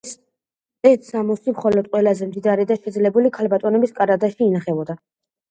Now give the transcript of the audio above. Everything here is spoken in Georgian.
ეს სამოსი მხოლოდ ყველაზე მდიდარი და შეძლებული ქალბატონების კარადაში ინახებოდა.